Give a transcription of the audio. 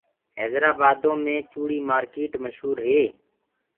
هيدرآ بآدو مي چوڙي مآرڪيٽ مشور هي۔